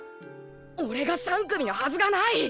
おれが３組のはずがない！